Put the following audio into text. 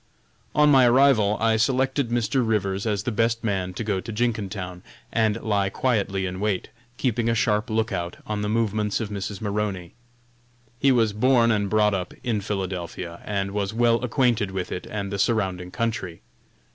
On my arrival, I selected Mr. Rivers as the best man to go to Jenkintown, and lie quietly in wait, keeping a sharp lookout on the movements of Mrs. Maroney. He was born and brought up in Philadelphia, and was well acquainted with it and the surrounding country.